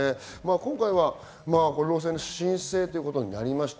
今回は労災の申請ということになりました。